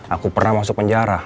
aku pernah masuk penjara